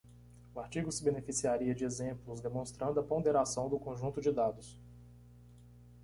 O artigo se beneficiaria de exemplos demonstrando a ponderação do conjunto de dados.